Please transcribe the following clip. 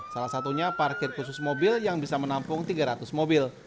salah satunya parkir khusus mobil yang bisa menampung tiga ratus mobil